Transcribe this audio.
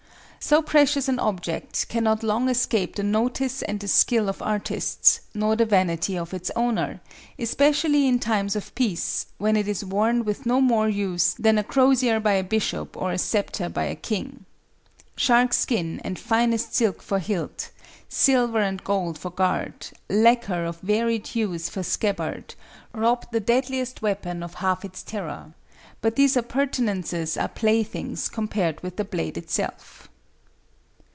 ] So precious an object cannot long escape the notice and the skill of artists nor the vanity of its owner, especially in times of peace, when it is worn with no more use than a crosier by a bishop or a sceptre by a king. Shark skin and finest silk for hilt, silver and gold for guard, lacquer of varied hues for scabbard, robbed the deadliest weapon of half its terror; but these appurtenances are playthings compared with the blade itself.